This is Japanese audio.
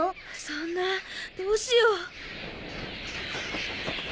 そんなどうしよう。